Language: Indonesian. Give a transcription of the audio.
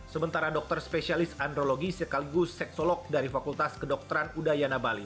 sementara dokter spesialis andrologi sekaligus seksolog dari fakultas kedokteran udayana bali